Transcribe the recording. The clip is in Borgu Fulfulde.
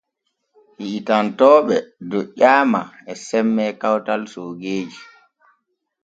Hiitantooɓe doƴƴaama e semme kawtal soogeeji.